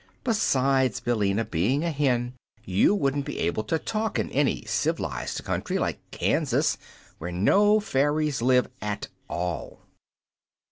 Besides, Billina, being a hen, you wouldn't be able to talk in any civ'lized country, like Kansas, where no fairies live at all."